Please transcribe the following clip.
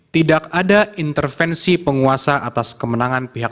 tidak ada intervensi penguasa atas kemenangan pihak